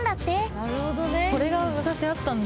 なるほどね。